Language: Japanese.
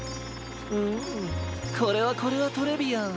うんこれはこれはトレビアン！